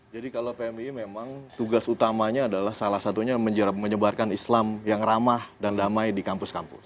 jadi kalau pmi memang tugas utamanya adalah salah satunya menyebarkan islam yang ramah dan damai di kampus kampus